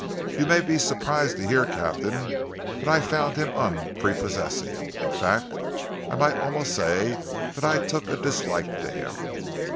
You may be surprised to hear, Captain, that I found him unprepossessing in fact I might almost say that I took a dislike to him."